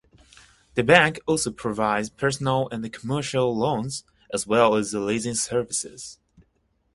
The bank also provides personal and commercial loans, as well as leasing services.